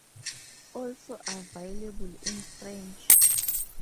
Also available in French.